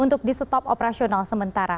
untuk di stop operasional sementara